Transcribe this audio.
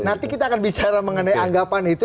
nanti kita akan bicara mengenai anggapan itu